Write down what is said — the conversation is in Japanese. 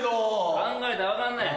考えたら分かんねん。